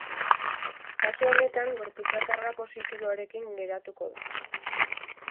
Kasu honetan gorputza karga positiboarekin geratuko da.